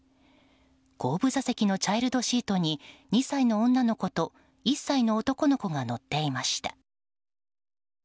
後部座席のチャイルドシートに２歳の女の子と１歳の男の子が乗っていました。